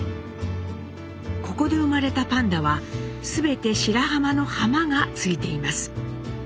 ここで生まれたパンダは全て白浜の「浜」が付いています。